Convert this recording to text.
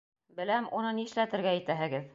— Беләм, уны ни эшләтергә итәһегеҙ?